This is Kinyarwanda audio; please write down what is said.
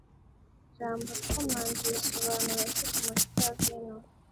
Ijambo Spumanti risobanura iki kumacupa ya vino?